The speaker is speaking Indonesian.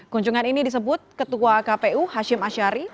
kunjungan ini disebut ketua kpu hashim ashari